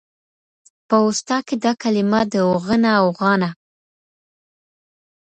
په اوستا کي دا کلمه د اوغنه، اوغانه،